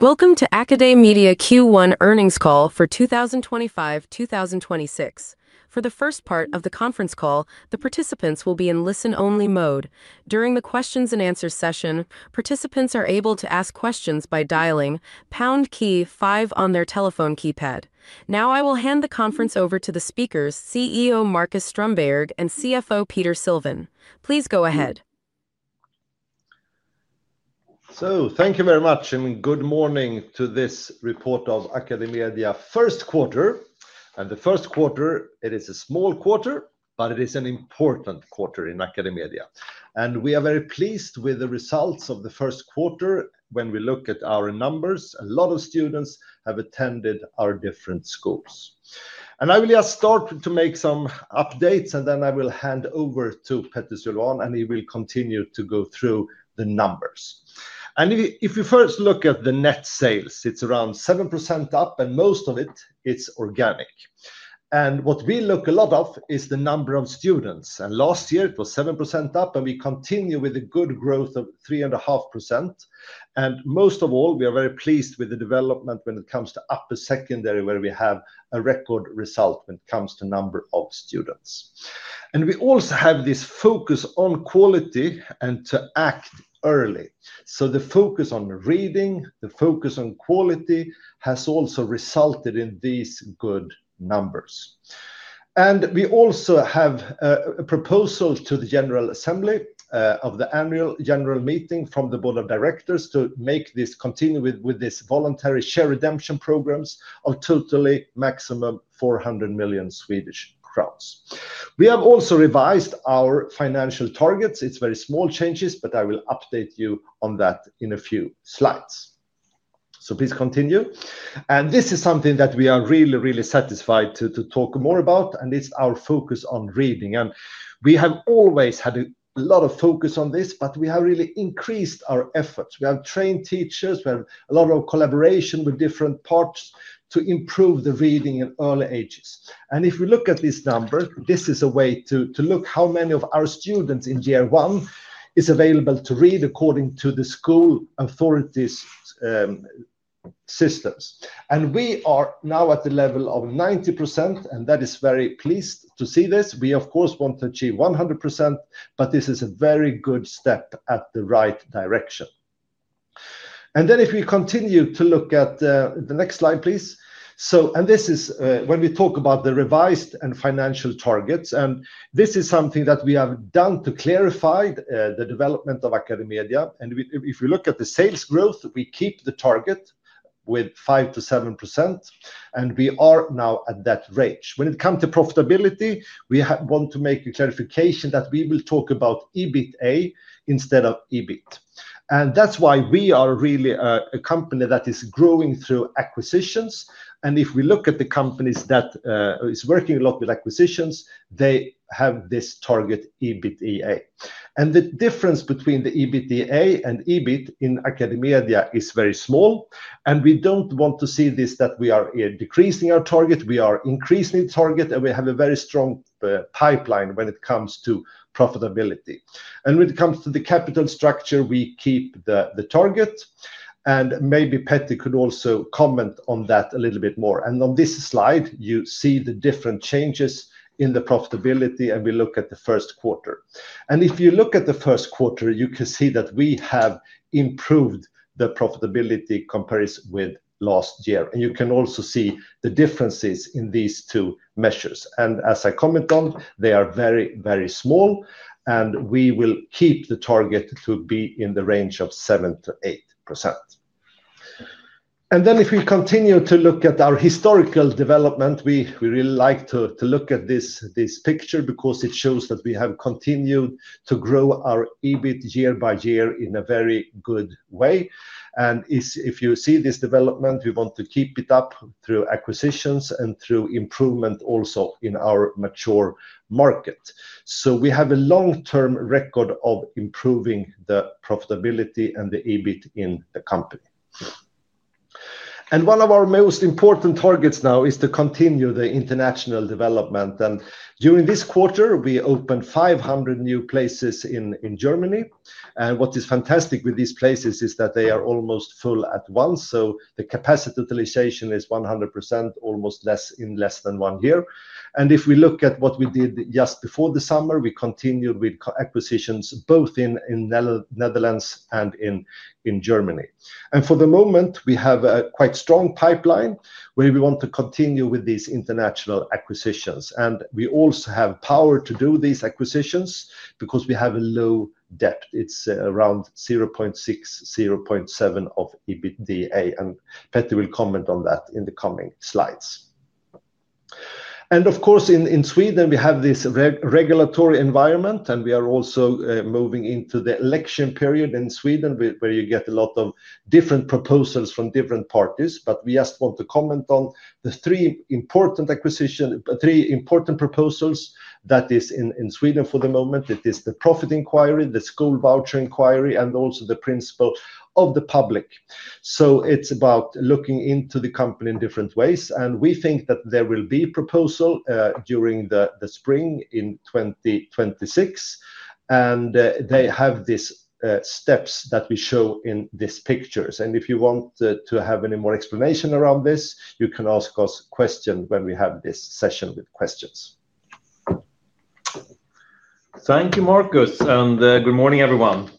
Welcome to AcadeMedia Q1 earnings call for 2025-2026. For the first part of the conference call, the participants will be in listen-only mode. During the Q&A session, participants are able to ask questions by dialing pound key five on their telephone keypad. Now I will hand the conference over to the speakers, CEO Marcus Strömberg, and CFO Petter Sylwan. Please go ahead. Thank you very much, and good morning to this report of AcadeMedia first quarter. The first quarter, it is a small quarter, but it is an important quarter in AcadeMedia. We are very pleased with the results of the first quarter. When we look at our numbers, a lot of students have attended our different schools. I will just start to make some updates, and then I will hand over to Petter Sylwan, and he will continue to go through the numbers. If we first look at the net sales, it is around 7% up, and most of it is organic. What we look a lot at is the number of students. Last year it was 7% up, and we continue with a good growth of 3.5%. Most of all, we are very pleased with the development when it comes to upper secondary, where we have a record result when it comes to the number of students. We also have this focus on quality and to act early. The focus on reading, the focus on quality has also resulted in these good numbers. We also have a proposal to the General Assembly of the Annual General Meeting from the Board of Directors to continue with this voluntary share redemption program of totally maximum 400 million Swedish crowns. We have also revised our financial targets. It is very small changes, but I will update you on that in a few slides. Please continue. This is something that we are really, really satisfied to talk more about, and it is our focus on reading. We have always had a lot of focus on this, but we have really increased our efforts. We have trained teachers. We have a lot of collaboration with different parts to improve the reading in early ages. If we look at this number, this is a way to look at how many of our students in year one are available to read according to the school authorities' systems. We are now at the level of 90%, and that is very pleased to see this. We, of course, want to achieve 100%, but this is a very good step in the right direction. If we continue to look at the next slide, please. This is when we talk about the revised and financial targets. This is something that we have done to clarify the development of AcadeMedia. If we look at the sales growth, we keep the target with 5%-7%, and we are now at that range. When it comes to profitability, we want to make a clarification that we will talk about EBITA instead of EBIT. That is why we are really a company that is growing through acquisitions. If we look at the companies that are working a lot with acquisitions, they have this target EBITA. The difference between the EBITA and EBIT in AcadeMedia is very small. We do not want to see this as decreasing our target. We are increasing the target, and we have a very strong pipeline when it comes to profitability. When it comes to the capital structure, we keep the target. Maybe Petter could also comment on that a little bit more. On this slide, you see the different changes in the profitability, and we look at the first quarter. If you look at the first quarter, you can see that we have improved the profitability compared with last year. You can also see the differences in these two measures. As I comment on, they are very, very small, and we will keep the target to be in the range of 7%-8%. If we continue to look at our historical development, we really like to look at this picture because it shows that we have continued to grow our EBIT year by year in a very good way. If you see this development, we want to keep it up through acquisitions and through improvement also in our mature market. We have a long-term record of improving the profitability and the EBIT in the company. One of our most important targets now is to continue the international development. During this quarter, we opened 500 new places in Germany. What is fantastic with these places is that they are almost full at once. The capacity utilization is 100%, almost in less than one year. If we look at what we did just before the summer, we continued with acquisitions both in the Netherlands and in Germany. For the moment, we have a quite strong pipeline where we want to continue with these international acquisitions. We also have power to do these acquisitions because we have a low debt. It is around 0.6%-0.7% of EBITDA. Petter will comment on that in the coming slides. Of course, in Sweden, we have this regulatory environment, and we are also moving into the election period in Sweden, where you get a lot of different proposals from different parties. We just want to comment on the three important acquisitions, three important proposals that are in Sweden for the moment. It is the profit inquiry, the school voucher inquiry, and also the principal of the public. It is about looking into the company in different ways. We think that there will be a proposal during the spring in 2026. They have these steps that we show in these pictures. If you want to have any more explanation around this, you can ask us questions when we have this session with questions. Thank you, Marcus, and good morning, everyone.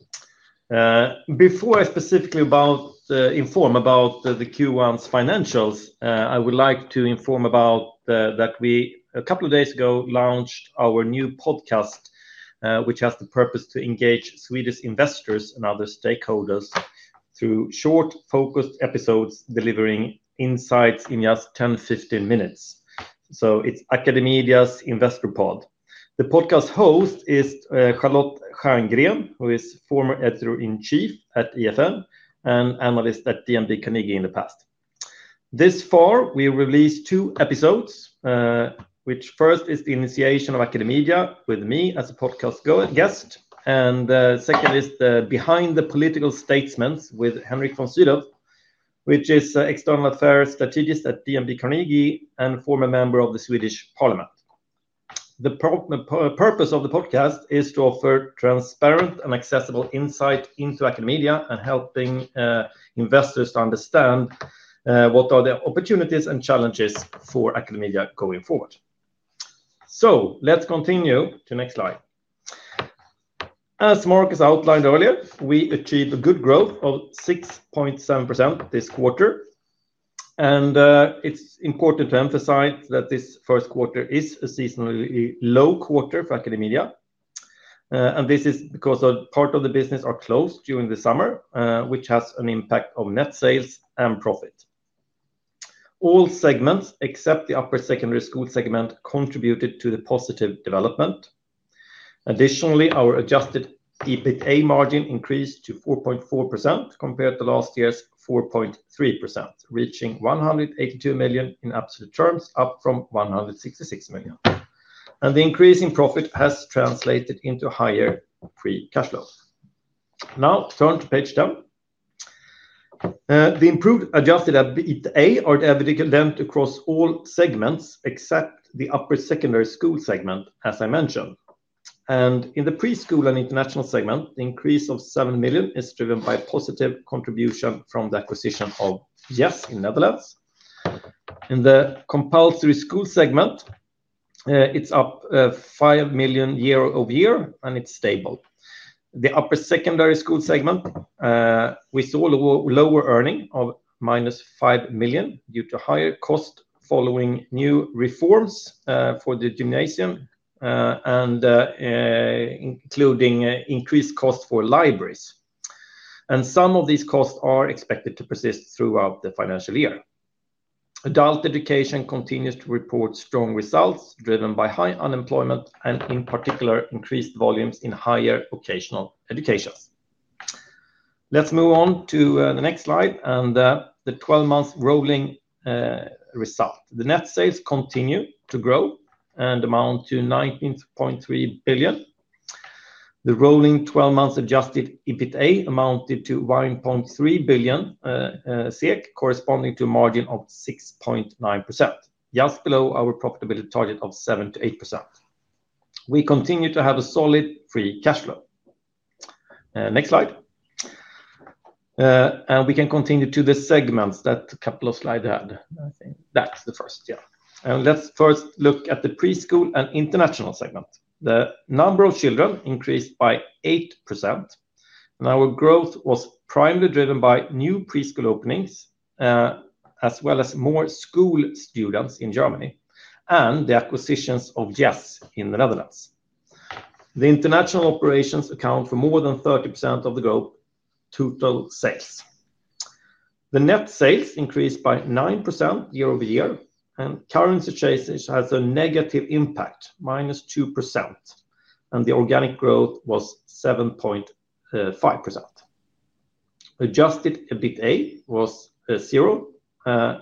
Before I specifically inform about the Q1's financials, I would like to inform about that we, a couple of days ago, launched our new podcast, which has the purpose to engage Swedish investors and other stakeholders through short, focused episodes, delivering insights in just 10-15 minutes. It is AcadeMedia's Investor Pod. The podcast host is Charlotte Stjernengren, who is former editor-in-chief at EFN and analyst at DNB Carnegie in the past. This far, we released two episodes, which first is the initiation of AcadeMedia with me as a podcast guest, and the second is the behind-the-political statements with Henrik von Sydow, who is an external affairs strategist at DNB Carnegie and a former member of the Swedish Parliament. The purpose of the podcast is to offer transparent and accessible insight into AcadeMedia and helping investors to understand what are the opportunities and challenges for AcadeMedia going forward. Let's continue to the next slide. As Marcus outlined earlier, we achieved a good growth of 6.7% this quarter. It is important to emphasize that this first quarter is a seasonally low quarter for AcadeMedia. This is because part of the business is closed during the summer, which has an impact on net sales and profit. All segments, except the upper secondary school segment, contributed to the positive development. Additionally, our adjusted EBITA margin increased to 4.4% compared to last year's 4.3%, reaching 182 million in absolute terms, up from 166 million. The increase in profit has translated into higher free cash flow. Now, turn to page 10. The improved adjusted EBITA is evident across all segments, except the upper secondary school segment, as I mentioned. In the preschool and international segment, the increase of 7 million is driven by positive contribution from the acquisition of YES in the Netherlands. In the compulsory school segment, it is up 5 million year over year, and it is stable. The upper secondary school segment saw lower earnings of minus 5 million due to higher costs following new reforms for the gymnasium, including increased costs for libraries. Some of these costs are expected to persist throughout the financial year. Adult education continues to report strong results, driven by high unemployment and, in particular, increased volumes in higher vocational education. Let's move on to the next slide and the 12-month rolling result. The net sales continue to grow and amount to 19.3 billion. The rolling 12-month adjusted EBITA amounted to 1.3 billion, corresponding to a margin of 6.9%, just below our profitability target of 7%-8%. We continue to have a solid free cash flow. Next slide. We can continue to the segments that the couple of slides had. That is the first year. Let's first look at the preschool and international segment. The number of children increased by 8%. Our growth was primarily driven by new preschool openings. As well as more school students in Germany, and the acquisitions of YES in the Netherlands. The international operations account for more than 30% of the growth total sales. The net sales increased by 9% year over year, and currency changes had a negative impact, minus 2%. The organic growth was 7.5%. Adjusted EBITA was zero. The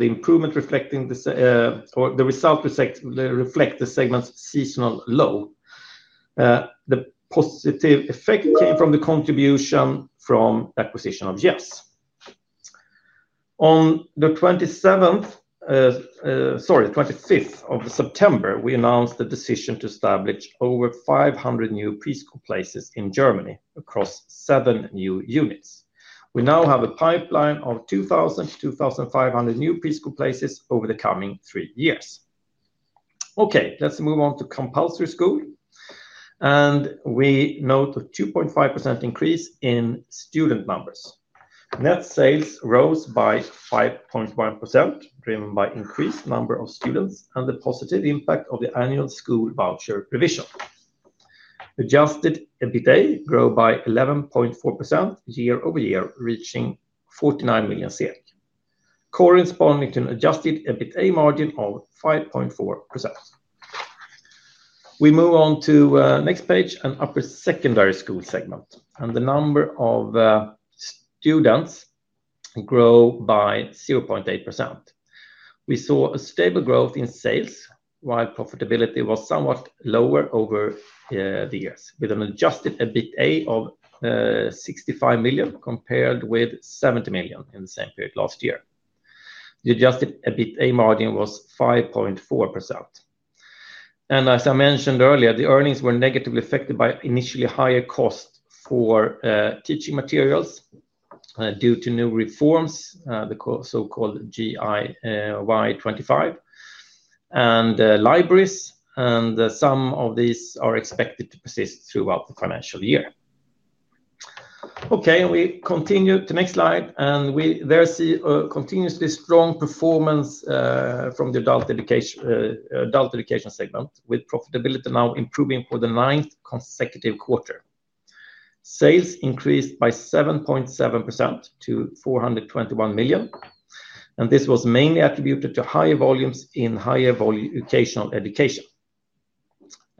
improvement reflecting. The result reflects the segment's seasonal low. The positive effect came from the contribution from the acquisition of YES. On the 27th. Sorry, 25th of September, we announced the decision to establish over 500 new preschool places in Germany across seven new units. We now have a pipeline of 2,000-2,500 new preschool places over the coming three years. Okay, let's move on to compulsory school. We note a 2.5% increase in student numbers. Net sales rose by 5.1%, driven by an increased number of students and the positive impact of the annual school voucher provision. Adjusted EBITA grew by 11.4% year over year, reaching 49 million SEK, corresponding to an adjusted EBITA margin of 5.4%. We move on to the next page, an upper secondary school segment, and the number of students grew by 0.8%. We saw a stable growth in sales, while profitability was somewhat lower over the years, with an adjusted EBITA of 65 million compared with 70 million in the same period last year. The adjusted EBITA margin was 5.4%. As I mentioned earlier, the earnings were negatively affected by initially higher costs for teaching materials due to new reforms, the so-called GIY25, and libraries, and some of these are expected to persist throughout the financial year. Okay, and we continue to the next slide, and we there see a continuously strong performance from the adult education segment, with profitability now improving for the ninth consecutive quarter. Sales increased by 7.7% to 421 million, and this was mainly attributed to higher volumes in higher vocational education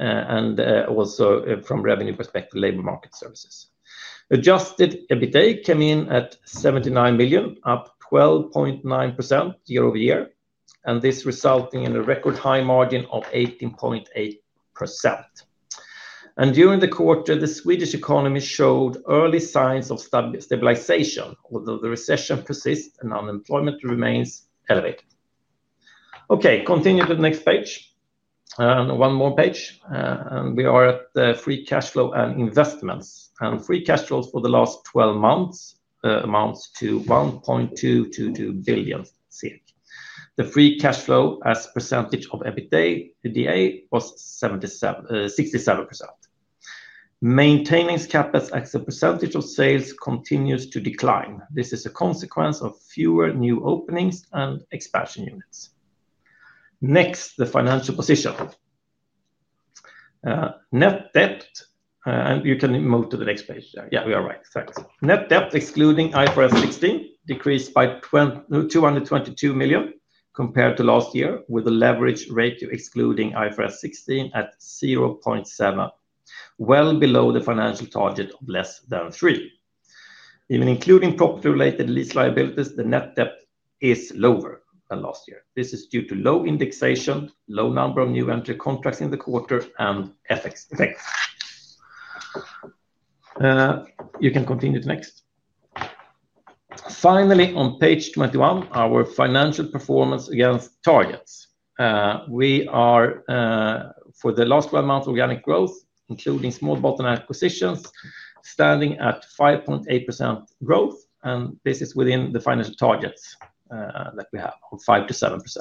and also from a revenue perspective, labor market services. Adjusted EBITA came in at 79 million, up 12.9% year over year, and this resulted in a record high margin of 18.8%. During the quarter, the Swedish economy showed early signs of stabilization, although the recession persists and unemployment remains elevated. Okay, continue to the next page. One more page, and we are at the free cash flow and investments. Free cash flow for the last 12 months amounts to 1.222 billion. The free cash flow as a percentage of EBITDA was 67%. Maintaining capex as a percentage of sales continues to decline. This is a consequence of fewer new openings and expansion units. Next, the financial position. Net debt, and you can move to the next page there. Yeah, we are right, thanks. Net debt excluding IFRS 16 decreased by 222 million compared to last year, with a leverage ratio excluding IFRS 16 at 0.7. This is well below the financial target of less than 3. Even including property-related lease liabilities, the net debt is lower than last year. This is due to low indexation, low number of new entry contracts in the quarter, and FX. You can continue to the next. Finally, on page 21, our financial performance against targets. We are. For the last 12 months, organic growth, including small bottleneck positions, standing at 5.8% growth, and this is within the financial targets that we have of 5%-7%.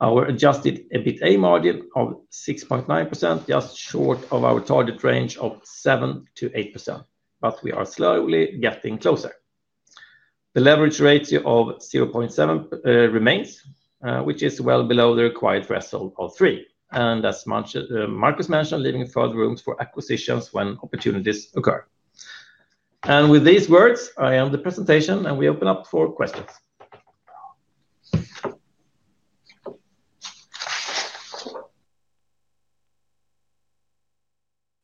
Our adjusted EBITA margin of 6.9%, just short of our target range of 7%-8%, but we are slowly getting closer. The leverage ratio of 0.7 remains, which is well below the required threshold of 3. As Marcus mentioned, leaving further rooms for acquisitions when opportunities occur. With these words, I end the presentation, and we open up for questions.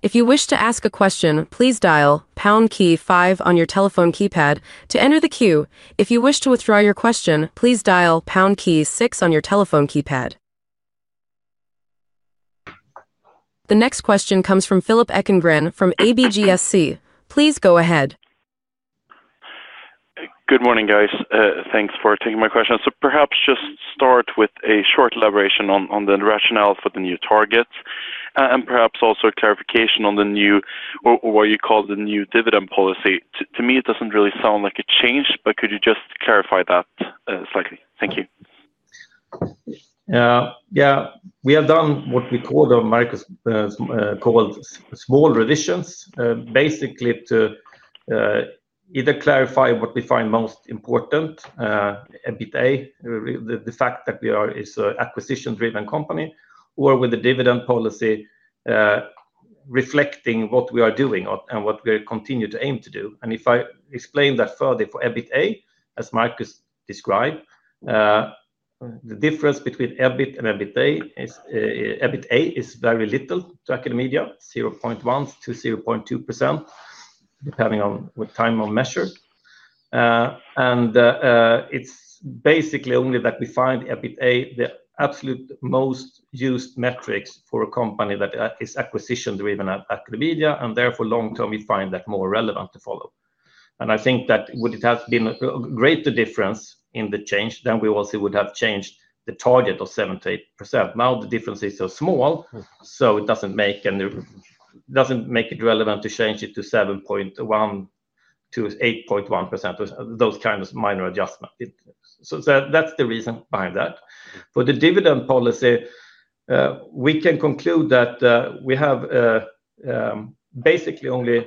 If you wish to ask a question, please dial pound key 5 on your telephone keypad to enter the queue. If you wish to withdraw your question, please dial pound key 6 on your telephone keypad. The next question comes from Philip Eckengren from ABGSC. Please go ahead. Good morning, guys. Thanks for taking my question. Perhaps just start with a short elaboration on the rationale for the new targets and perhaps also a clarification on the new, what you call the new dividend policy. To me, it does not really sound like a change, but could you just clarify that slightly? Thank you. Yeah, we have done what we call, or Marcus called, small revisions, basically to either clarify what we find most important. EBITA, the fact that we are an acquisition-driven company, or with the dividend policy, reflecting what we are doing and what we continue to aim to do. If I explain that further for EBITA, as Marcus described, the difference between EBIT and EBITA is very little to AcadeMedia, 0.1% to 0.2%, depending on what time of measure. It's basically only that we find EBITA the absolute most used metrics for a company that is acquisition-driven at AcadeMedia, and therefore long-term we find that more relevant to follow. I think that would have been a greater difference in the change, then we also would have changed the target of 7-8%. Now the difference is so small, so it doesn't make any, it doesn't make it relevant to change it to 7.1%-8.1%, those kinds of minor adjustments. That's the reason behind that. For the dividend policy, we can conclude that we have basically only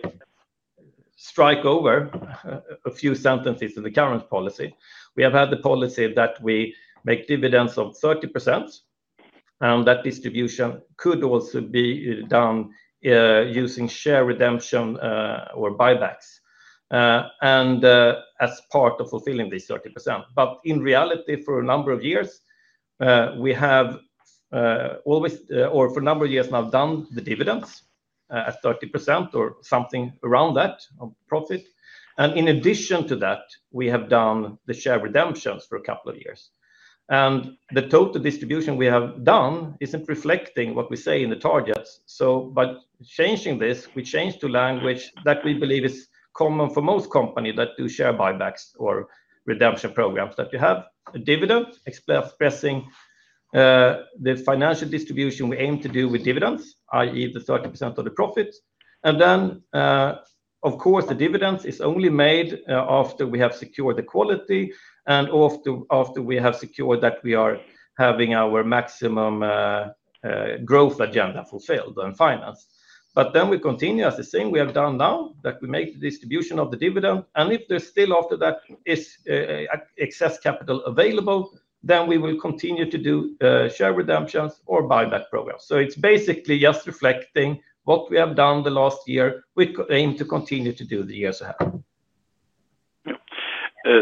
strikethrough a few sentences in the current policy. We have had the policy that we make dividends of 30%, and that distribution could also be done using share redemption or buybacks as part of fulfilling these 30%. In reality, for a number of years, we have always, or for a number of years now, done the dividends at 30% or something around that of profit. In addition to that, we have done the share redemptions for a couple of years. The total distribution we have done isn't reflecting what we say in the targets. By changing this, we change the language that we believe is common for most companies that do share buybacks or redemption programs, that you have a dividend expressing the financial distribution we aim to do with dividends, i.e., the 30% of the profit. Of course, the dividends are only made after we have secured the quality and after we have secured that we are having our maximum growth agenda fulfilled and financed. We continue as the same we have done now, that we make the distribution of the dividend, and if there's still after that excess capital available, then we will continue to do share redemptions or buyback programs. It's basically just reflecting what we have done the last year, which we aim to continue to do the years ahead.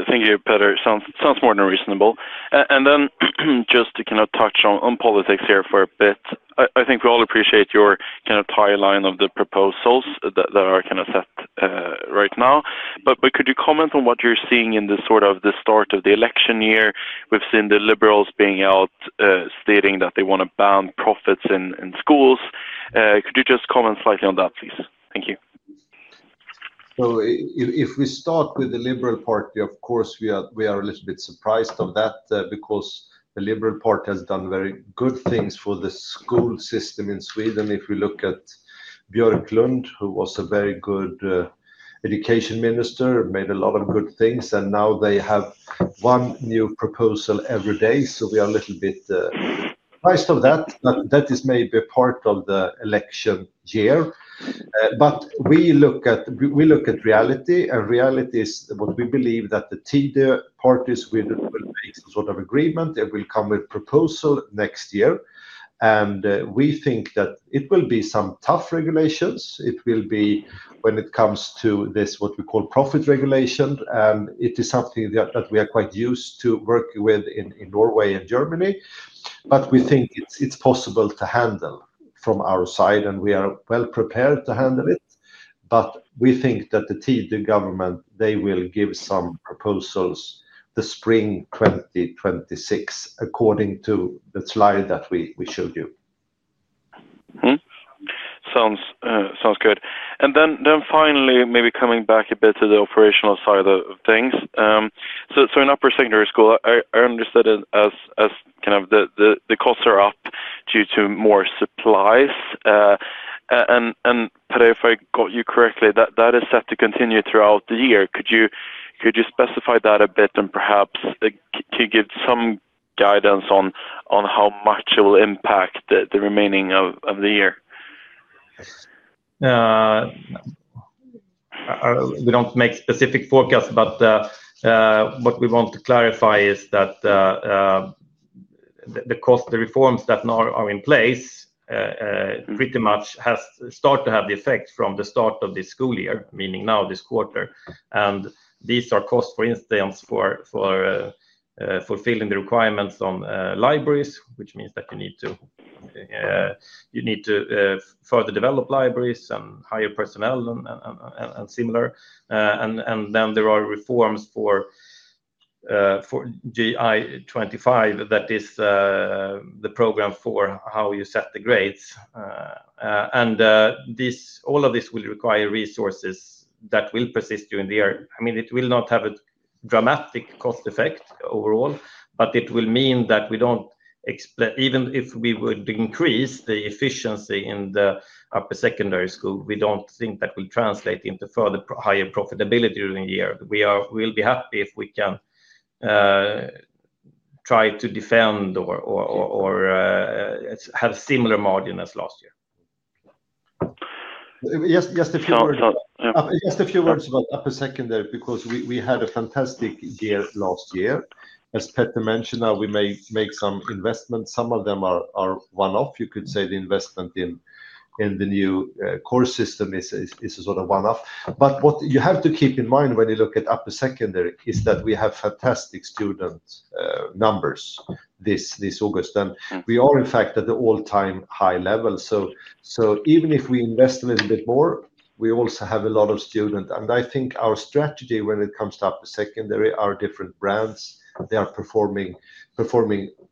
Thank you, Petter. Sounds more than reasonable. And then just to kind of touch on politics here for a bit, I think we all appreciate your kind of tie line of the proposals that are kind of set right now. But could you comment on what you're seeing in the sort of the start of the election year? We've seen the Liberals being out. Stating that they want to ban profits in schools. Could you just comment slightly on that, please? Thank you. If we start with the Liberal Party, of course, we are a little bit surprised by that because the Liberal Party has done very good things for the school system in Sweden. If we look at Jan Björklund, who was a very good Education Minister, made a lot of good things, and now they have one new proposal every day. We are a little bit surprised by that, that is maybe a part of the election year. We look at reality, and reality is what we believe that the TD parties will make some sort of agreement. They will come with a proposal next year. We think that it will be some tough regulations. It will be when it comes to this, what we call profit regulation. It is something that we are quite used to working with in Norway and Germany. We think it's possible to handle from our side, and we are well prepared to handle it. We think that the TD government will give some proposals in the spring 2026, according to the slide that we showed you. Sounds good. Finally, maybe coming back a bit to the operational side of things. In upper secondary school, I understood it as kind of the costs are up due to more supplies. Petter, if I got you correctly, that is set to continue throughout the year. Could you specify that a bit and perhaps give some guidance on how much it will impact the remaining of the year? We don't make specific forecasts, but what we want to clarify is that the cost, the reforms that now are in place, pretty much has started to have the effect from the start of this school year, meaning now this quarter. These are costs, for instance, for fulfilling the requirements on libraries, which means that you need to further develop libraries and hire personnel and similar. There are reforms for GI25, that is, the program for how you set the grades. All of this will require resources that will persist during the year. I mean, it will not have a dramatic cost effect overall, but it will mean that we don't, even if we would increase the efficiency in the upper secondary school, we don't think that will translate into further higher profitability during the year. We will be happy if we can try to defend or have a similar margin as last year. Just a few words about upper secondary because we had a fantastic year last year. As Petter mentioned, we may make some investments. Some of them are one-off. You could say the investment in the new course system is a sort of one-off. What you have to keep in mind when you look at upper secondary is that we have fantastic student numbers this August, and we are, in fact, at the all-time high level. Even if we invest a little bit more, we also have a lot of students. I think our strategy when it comes to upper secondary, our different brands, they are performing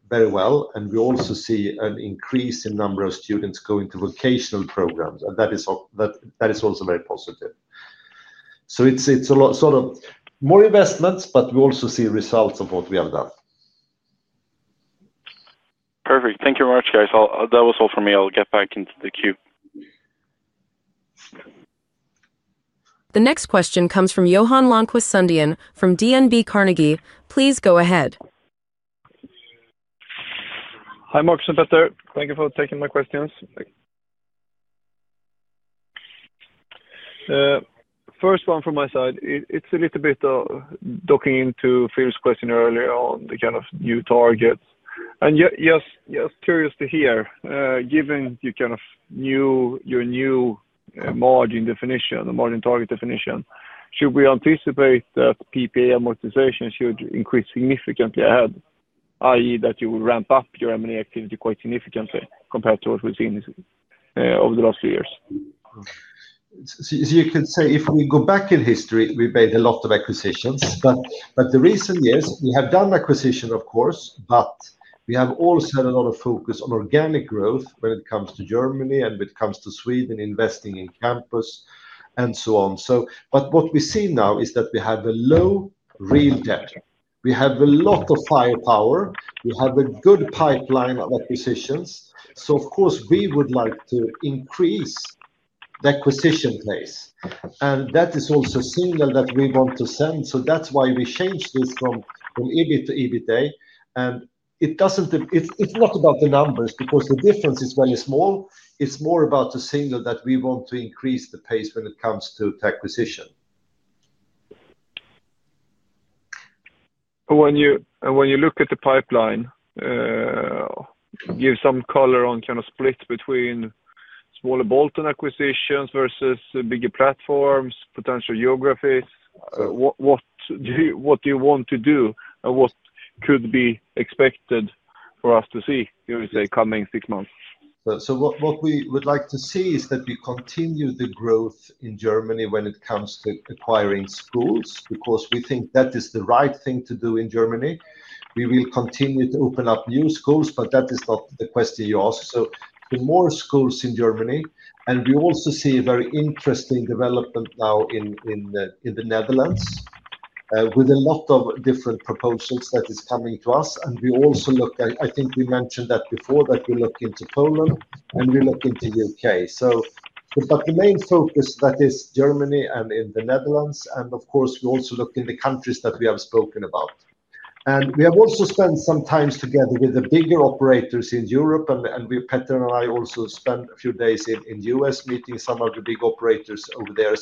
very well. We also see an increase in the number of students going to vocational programs, and that is also very positive. It is a lot sort of more investments, but we also see results of what we have done. Perfect. Thank you very much, guys. That was all for me. I'll get back into the queue. The next question comes from Lönnqvist Sundén from DNB Carnegie. Please go ahead. Hi, Marcus and Petter. Thank you for taking my questions. First one from my side. It's a little bit of ducking into Felix's question earlier on the kind of new targets. Yes, just curious to hear, given your kind of new margin definition, the margin target definition, should we anticipate that PPA amortization should increase significantly ahead, i.e., that you will ramp up your M&A activity quite significantly compared to what we've seen over the last few years? You can say if we go back in history, we've made a lot of acquisitions. In recent years, we have done acquisitions, of course, but we have also had a lot of focus on organic growth when it comes to Germany and when it comes to Sweden, investing in campus and so on. What we see now is that we have a low real debt. We have a lot of firepower. We have a good pipeline of acquisitions. Of course, we would like to increase the acquisition pace. That is also a signal that we want to send. That is why we changed this from EBIT to EBITA. It is not about the numbers because the difference is, when it is small, it is more about the signal that we want to increase the pace when it comes to acquisition. When you look at the pipeline, give some color on kind of split between smaller bolt-on acquisitions versus bigger platforms, potential geographies. What do you want to do and what could be expected for us to see in the coming six months? What we would like to see is that we continue the growth in Germany when it comes to acquiring schools because we think that is the right thing to do in Germany. We will continue to open up new schools, but that is not the question you ask. More schools in Germany. We also see a very interesting development now in the Netherlands with a lot of different proposals that are coming to us. We also look at, I think we mentioned that before, that we look into Poland and we look into the U.K. The main focus, that is Germany and in the Netherlands. Of course, we also look in the countries that we have spoken about. We have also spent some time together with the bigger operators in Europe. Petter and I also spent a few days in the U.S. meeting some of the big operators over there.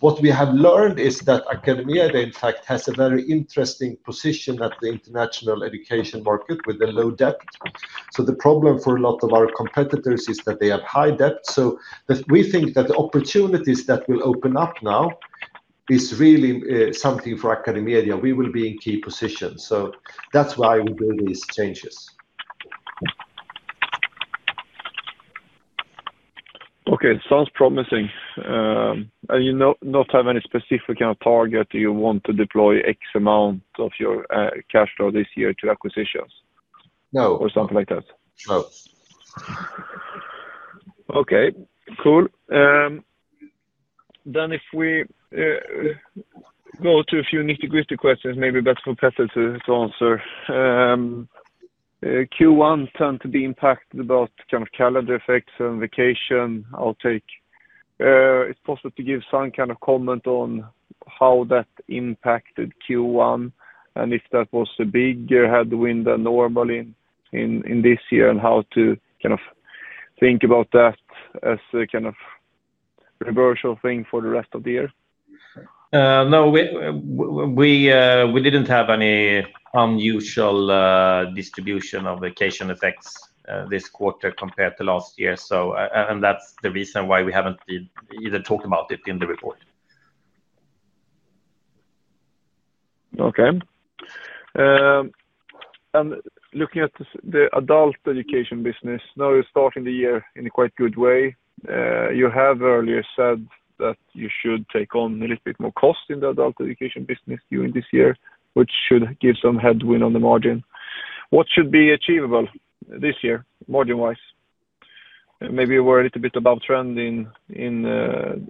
What we have learned is that AcadeMedia, in fact, has a very interesting position at the international education market with a low debt. The problem for a lot of our competitors is that they have high debt. We think that the opportunities that will open up now is really something for AcadeMedia. We will be in key positions. That is why we do these changes. Okay, sounds promising. You do not have any specific kind of target that you want to deploy X amount of your cash flow this year to acquisitions? No. Or something like that? No. Okay, cool. If we go to a few nitty-gritty questions, maybe best for Petter to answer. Q1 tends to be impacted by kind of calendar effects and vacation outtake. Is it possible to give some kind of comment on how that impacted Q1 and if that was a bigger headwind than normal this year and how to kind of think about that as a kind of reversal thing for the rest of the year? No. We didn't have any unusual distribution of vacation effects this quarter compared to last year. That's the reason why we haven't either talked about it in the report. Okay. Looking at the adult education business, now you're starting the year in a quite good way. You have earlier said that you should take on a little bit more cost in the adult education business during this year, which should give some headwind on the margin. What should be achievable this year, margin-wise? Maybe you were a little bit above trending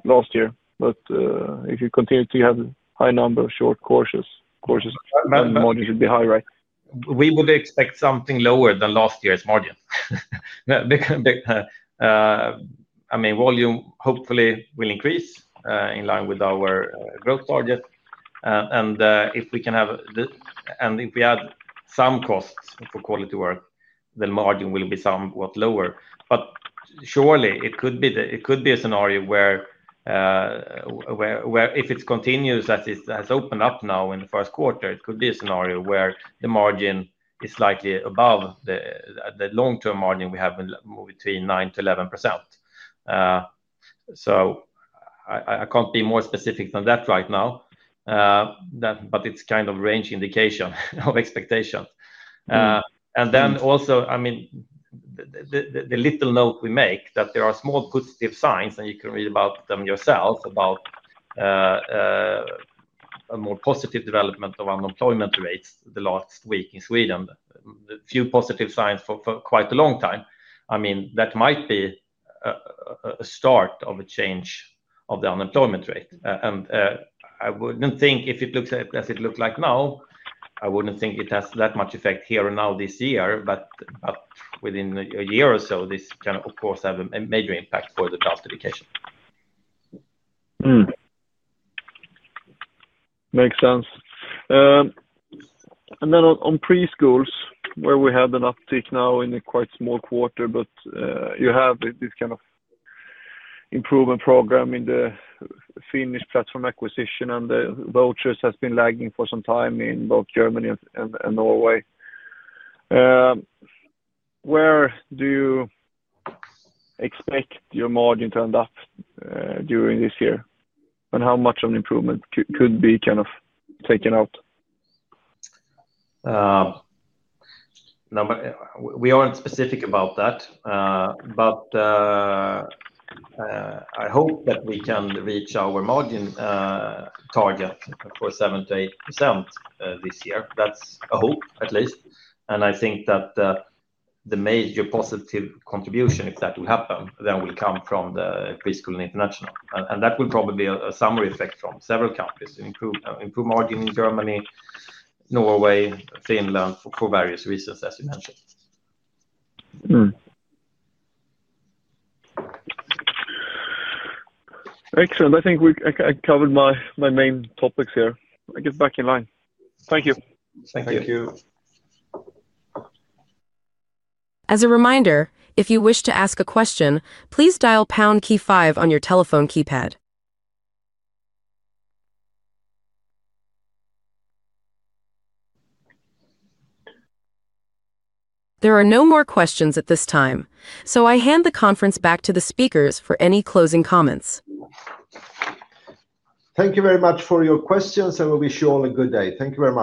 last year, but if you continue to have a high number of short courses, the margin should be high, right? We would expect something lower than last year's margin. I mean, volume hopefully will increase in line with our growth target. And if we add some costs for quality work, the margin will be somewhat lower. Surely it could be a scenario where, if it continues as it has opened up now in the first quarter, it could be a scenario where the margin is slightly above the long-term margin we have between 9%-11%. I can't be more specific than that right now. It is kind of a range indication of expectation. Also, I mean, the little note we make that there are small positive signs, and you can read about them yourself, about a more positive development of unemployment rates the last week in Sweden, a few positive signs for quite a long time. I mean, that might be a start of a change of the unemployment rate. I wouldn't think, if it looks as it looks like now, I wouldn't think it has that much effect here and now this year. Within a year or so, this kind of, of course, has a major impact for the adult education. Makes sense. On preschools, where we have an uptick now in a quite small quarter, but you have this kind of improvement program in the Finnish platform acquisition, and the vouchers have been lagging for some time in both Germany and Norway. Where do you expect your margin to end up during this year? How much of an improvement could be kind of taken out? We aren't specific about that. I hope that we can reach our margin target for 7%-8% this year. That's a hope, at least. I think that the major positive contribution, if that will happen, then will come from the preschool and international. That will probably be a summary effect from several countries, improve margin in Germany, Norway, Finland, for various reasons, as you mentioned. Excellent. I think I covered my main topics here. I'll get back in line. Thank you. Thank you. As a reminder, if you wish to ask a question, please dial pound key five on your telephone keypad. There are no more questions at this time, so I hand the conference back to the speakers for any closing comments. Thank you very much for your questions, and we wish you all a good day. Thank you very much.